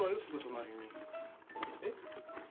すぐ隣にえっ？